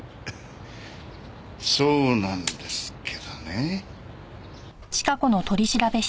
そうなんですけどね。